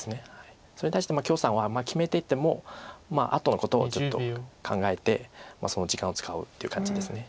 それに対して許さんは決めててもあとのことをちょっと考えてその時間を使うっていう感じです。